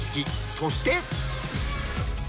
そして。